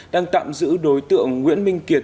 đang tạm giữ đối tượng nguyễn minh kiệt